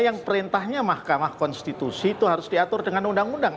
yang perintahnya mahkamah konstitusi itu harus diatur dengan undang undang